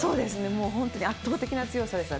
もう本当に圧倒的な強さでした。